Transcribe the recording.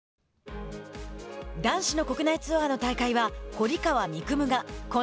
男子の国内ツアーの大会は堀川未来